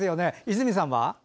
泉さんは？